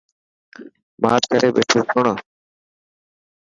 ماٺ ڪري بيٺو سوڻ.